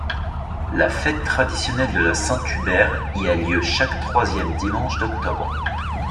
La fête traditionnelle de la Saint-Hubert y a lieu chaque troisième dimanche d'octobre.